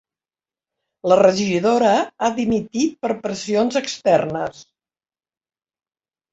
La regidora ha dimitit per pressions externes